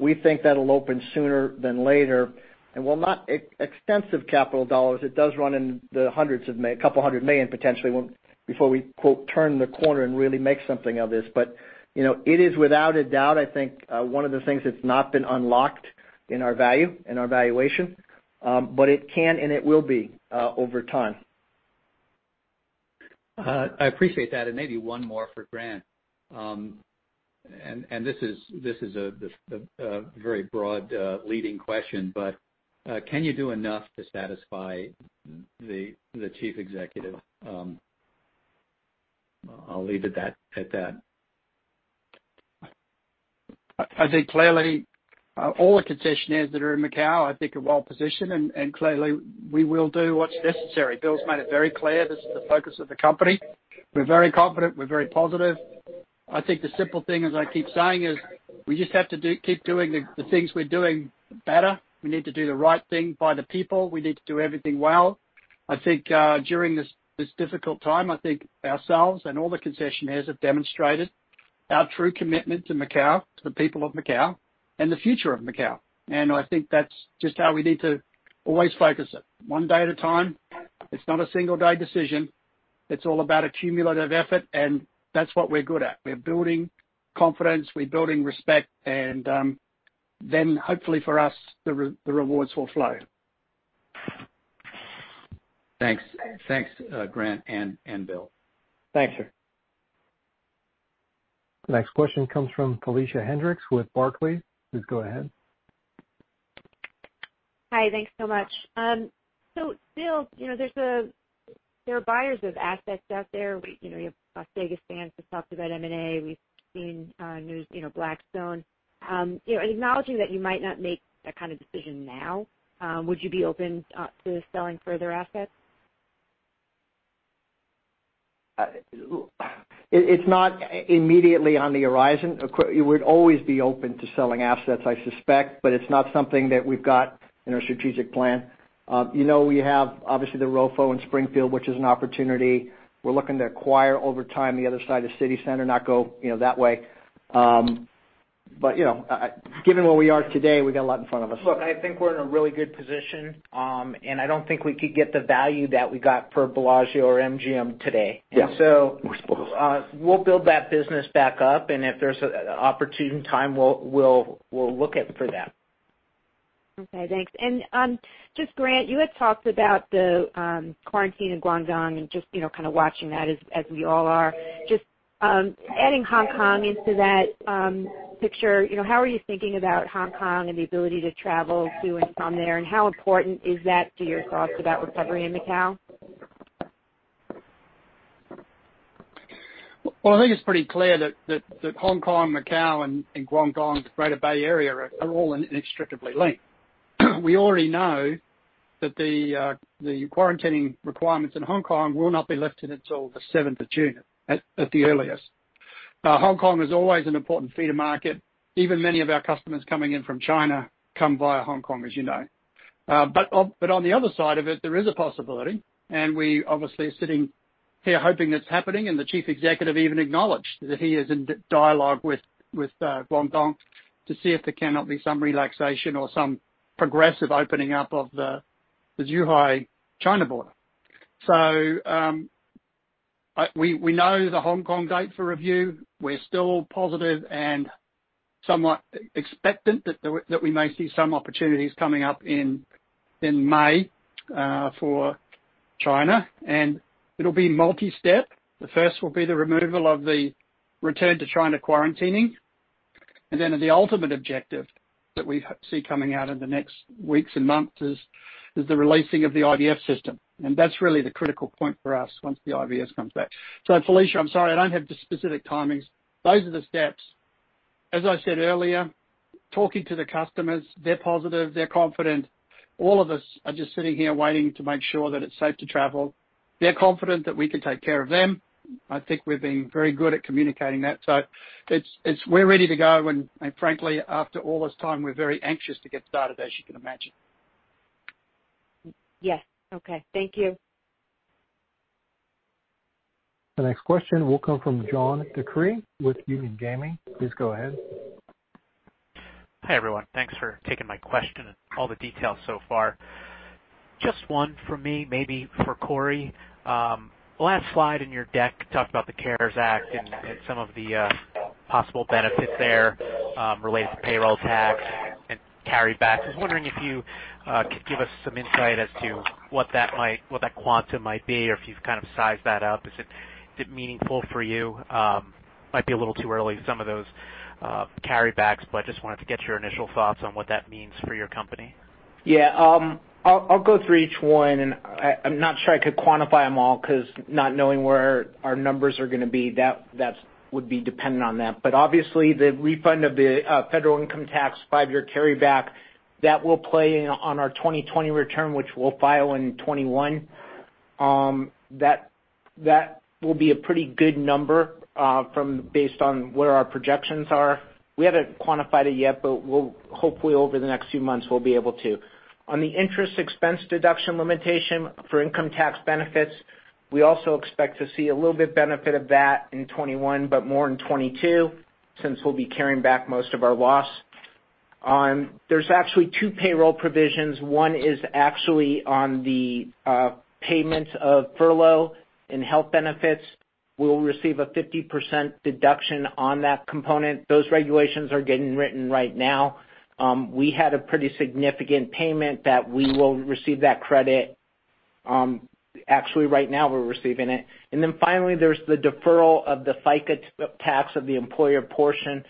we think that'll open sooner than later. While not extensive capital dollars, it does run in the hundreds, a couple hundred million potentially before we "turn the corner" and really make something of this. It is without a doubt, I think, one of the things that's not been unlocked in our value, in our valuation. It can and it will be over time. I appreciate that, maybe one more for Grant. This is a very broad, leading question, but can you do enough to satisfy the chief executive? I'll leave it at that. I think clearly, all the concessionaires that are in Macau, I think, are well-positioned, and clearly, we will do what's necessary. Bill's made it very clear this is the focus of the company. We're very confident. We're very positive. I think the simple thing, as I keep saying, is we just have to keep doing the things we're doing better. We need to do the right thing by the people. We need to do everything well. I think, during this difficult time, I think ourselves and all the concessionaires have demonstrated our true commitment to Macau, to the people of Macau, and the future of Macau. I think that's just how we need to always focus it, one day at a time. It's not a single-day decision. It's all about a cumulative effort, and that's what we're good at. We're building confidence, we're building respect, and then hopefully for us, the rewards will flow. Thanks. Thanks, Grant and Bill. Thank you, sir. The next question comes from Felicia Hendrix with Barclays. Please go ahead. Hi. Thanks so much. Bill, there are buyers of assets out there. You have Las Vegas Sands that's talked about M&A. We've seen news, Blackstone. Acknowledging that you might not make that kind of decision now, would you be open to selling further assets? It's not immediately on the horizon. We'd always be open to selling assets, I suspect. It's not something that we've got in our strategic plan. You know we have, obviously, the ROFO in Springfield, which is an opportunity. We're looking to acquire over time the other side of CityCenter, not go that way. Given where we are today, we got a lot in front of us. Look, I think we're in a really good position. I don't think we could get the value that we got for Bellagio or MGM today. Yeah. We're spoiled. We'll build that business back up, and if there's an opportune time, we'll look at for that. Okay, thanks. Just Grant, you had talked about the quarantine in Guangdong and just kind of watching that as we all are. Just adding Hong Kong into that picture, how are you thinking about Hong Kong and the ability to travel to and from there, and how important is that to your thoughts about recovery in Macau? I think it's pretty clear that Hong Kong, Macau, and Guangdong, the Greater Bay Area, are all inextricably linked. We already know that the quarantining requirements in Hong Kong will not be lifted until the 7th of June at the earliest. Hong Kong is always an important feeder market. Even many of our customers coming in from China come via Hong Kong, as you know. On the other side of it, there is a possibility, and we obviously are sitting here hoping it's happening, and the chief executive even acknowledged that he is in dialogue with Guangdong to see if there cannot be some relaxation or some progressive opening up of the Zhuhai China border. We know the Hong Kong date for review. We're still positive and somewhat expectant that we may see some opportunities coming up in May for China, and it'll be multistep. The first will be the removal of the return-to-China quarantining, then the ultimate objective that we see coming out in the next weeks and months is the releasing of the IVS system. That's really the critical point for us, once the IVS comes back. Felicia, I'm sorry, I don't have the specific timings. Those are the steps. As I said earlier, talking to the customers, they're positive, they're confident. All of us are just sitting here waiting to make sure that it's safe to travel. They're confident that we can take care of them. I think we've been very good at communicating that. We're ready to go, and frankly, after all this time, we're very anxious to get started, as you can imagine. Yes. Okay. Thank you. The next question will come from John DeCree with Union Gaming. Please go ahead. Hi, everyone. Thanks for taking my question and all the details so far. Just one from me, maybe for Corey. Last slide in your deck talked about the CARES Act and some of the possible benefits there related to payroll tax and carry-backs. I was wondering if you could give us some insight as to what that quantum might be, or if you've kind of sized that up. Is it meaningful for you? Might be a little too early, some of those carry-backs, just wanted to get your initial thoughts on what that means for your company. Yeah. I'll go through each one, and I'm not sure I could quantify them all because not knowing where our numbers are going to be, that would be dependent on that. Obviously, the refund of the federal income tax five-year carry-back, that will play in on our 2020 return, which we'll file in 2021. That will be a pretty good number based on where our projections are. We haven't quantified it yet, but hopefully, over the next few months, we'll be able to. On the interest expense deduction limitation for income tax benefits, we also expect to see a little bit benefit of that in 2021, but more in 2022, since we'll be carrying back most of our loss. There's actually two payroll provisions. One is actually on the payments of furlough and health benefits. We'll receive a 50% deduction on that component. Those regulations are getting written right now. We had a pretty significant payment that we will receive that credit. Actually, right now, we're receiving it. Finally, there's the deferral of the FICA tax of the employer portion.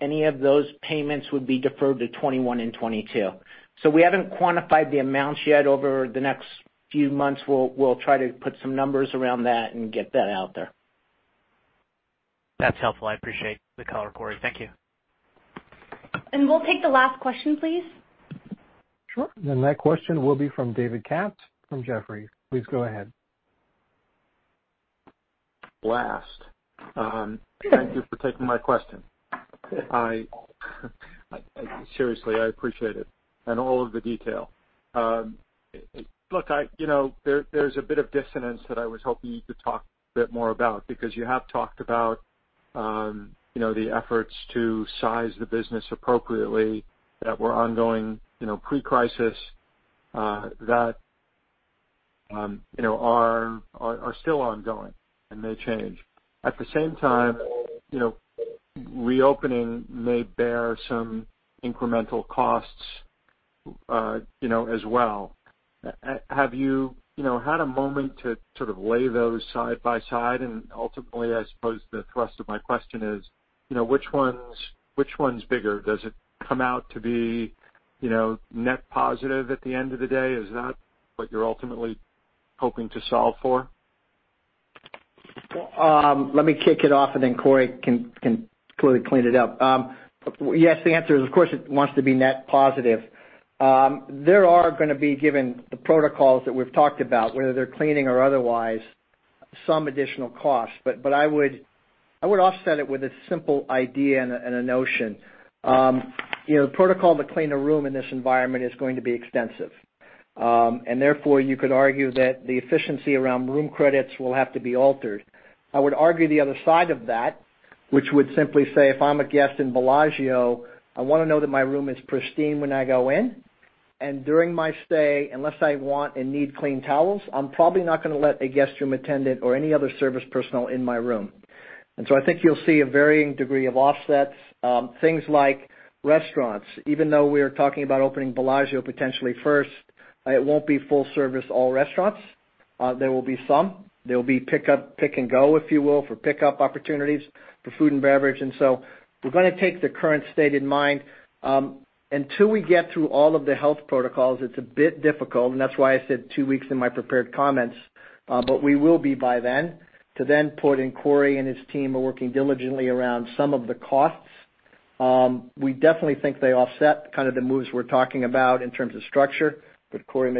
Any of those payments would be deferred to 2021 and 2022. We haven't quantified the amounts yet. Over the next few months, we'll try to put some numbers around that and get that out there. That's helpful. I appreciate the color, Corey. Thank you. We'll take the last question, please. Sure. That question will be from David Katz from Jefferies. Please go ahead. Last. Thank you for taking my question. Seriously, I appreciate it and all of the detail. Look, there's a bit of dissonance that I was hoping you could talk a bit more about, because you have talked about the efforts to size the business appropriately that were ongoing pre-crisis, that are still ongoing and may change. At the same time, reopening may bear some incremental costs as well. Have you had a moment to sort of lay those side by side? Ultimately, I suppose the thrust of my question is, which one's bigger? Does it come out to be net positive at the end of the day? Is that what you're ultimately hoping to solve for? Let me kick it off. Then Corey can clearly clean it up. Yes, the answer is, of course it wants to be net positive. There are going to be, given the protocols that we've talked about, whether they're cleaning or otherwise, some additional costs. I would offset it with a simple idea and a notion. The protocol to clean a room in this environment is going to be extensive. Therefore, you could argue that the efficiency around room credits will have to be altered. I would argue the other side of that, which would simply say, if I'm a guest in Bellagio, I want to know that my room is pristine when I go in. During my stay, unless I want and need clean towels, I'm probably not going to let a guest room attendant or any other service personnel in my room. I think you'll see a varying degree of offsets. Things like restaurants, even though we're talking about opening Bellagio potentially first, it won't be full service, all restaurants. There will be some. There will be pick and go, if you will, for pickup opportunities for food and beverage. We're going to take the current state in mind. Until we get through all of the health protocols, it's a bit difficult, and that's why I said two weeks in my prepared comments, but we will be by then. Corey and his team are working diligently around some of the costs. We definitely think they offset kind of the moves we're talking about in terms of structure. Corey,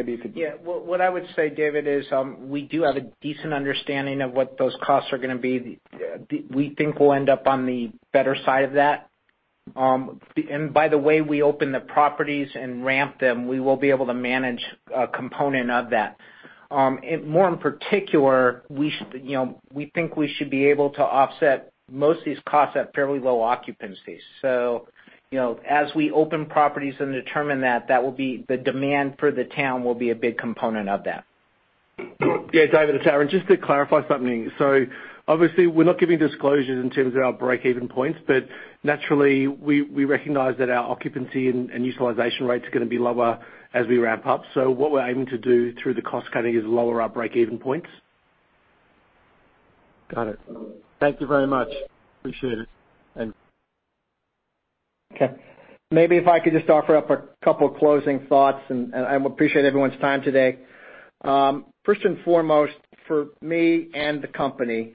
What I would say, David, is we do have a decent understanding of what those costs are going to be. We think we'll end up on the better side of that. By the way we open the properties and ramp them, we will be able to manage a component of that. More in particular, we think we should be able to offset most of these costs at fairly low occupancies. As we open properties and determine that, the demand for the town will be a big component of that. David, it's Aaron. Just to clarify something. Obviously, we're not giving disclosures in terms of our break-even points, but naturally, we recognize that our occupancy and utilization rates are going to be lower as we ramp up. What we're aiming to do through the cost cutting is lower our break-even points. Got it. Thank you very much. Appreciate it. Okay. Maybe if I could just offer up a couple of closing thoughts, and I appreciate everyone's time today. First and foremost, for me and the company,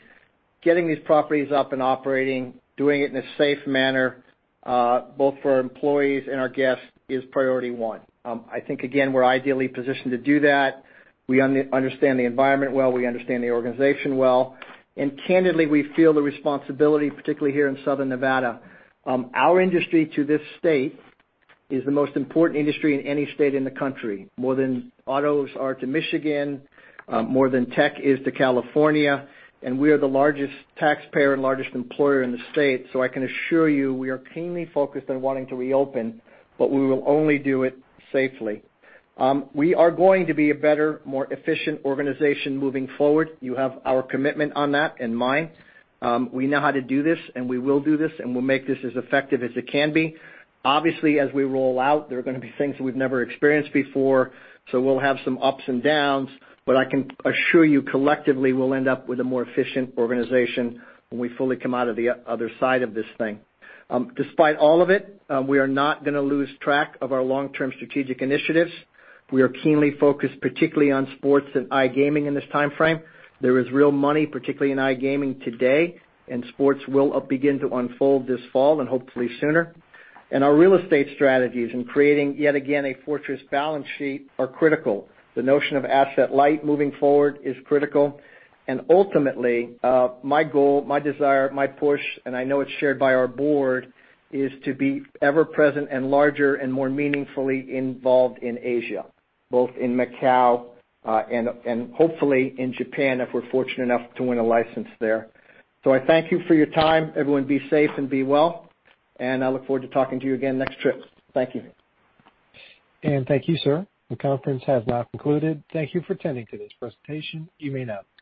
getting these properties up and operating, doing it in a safe manner, both for our employees and our guests, is priority one. I think, again, we're ideally positioned to do that. We understand the environment well, we understand the organization well. Candidly, we feel the responsibility, particularly here in Southern Nevada. Our industry to this state is the most important industry in any state in the country, more than autos are to Michigan, more than tech is to California, and we are the largest taxpayer and largest employer in the state. I can assure you, we are keenly focused on wanting to reopen, but we will only do it safely. We are going to be a better, more efficient organization moving forward. You have our commitment on that in mind. We know how to do this, and we will do this, and we'll make this as effective as it can be. Obviously, as we roll out, there are going to be things that we've never experienced before, so we'll have some ups and downs, but I can assure you collectively, we'll end up with a more efficient organization when we fully come out of the other side of this thing. Despite all of it, we are not going to lose track of our long-term strategic initiatives. We are keenly focused, particularly on sports and iGaming in this timeframe. There is real money, particularly in iGaming today, and sports will begin to unfold this fall and hopefully sooner. Our real estate strategies in creating, yet again, a fortress balance sheet are critical. The notion of asset light moving forward is critical. Ultimately my goal, my desire, my push, and I know it's shared by our board, is to be ever present and larger and more meaningfully involved in Asia, both in Macau, and hopefully in Japan, if we're fortunate enough to win a license there. I thank you for your time. Everyone, be safe and be well, and I look forward to talking to you again next trip. Thank you. Thank you, sir. The conference has now concluded. Thank you for attending today's presentation. You may now disconnect.